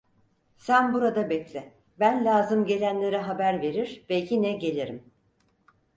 Sen burada bekle, ben lazım gelenlere haber verir ve yine gelirim!